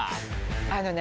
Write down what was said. あのね